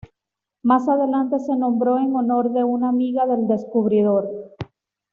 Más adelante se nombró en honor de una amiga del descubridor.